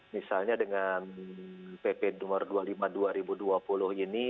misalnya dengan pp nomor dua puluh lima dua ribu dua puluh ini